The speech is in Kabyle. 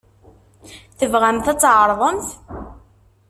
Tebɣamt ad tɛerḍemt?